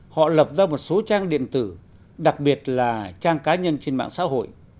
họ lập ra một số trang điện tử đặc biệt là trang cá nhân trên mạng xã hội